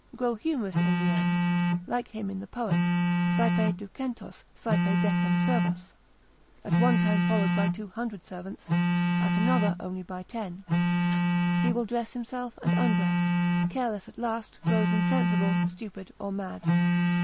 grow humorous in the end; like him in the poet, saepe ducentos, saepe decem servos, (at one time followed by two hundred servants, at another only by ten) he will dress himself, and undress, careless at last, grows insensible, stupid, or mad.